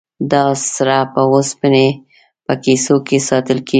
دا سره په اوسپنې په کیسو کې ساتل کیږي.